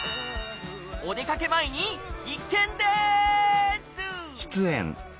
お出かけ前に必見です！